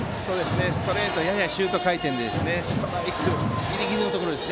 ストレートややシュート回転でストライクギリギリのところです。